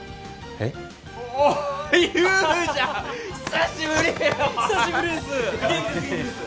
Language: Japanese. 久しぶりです！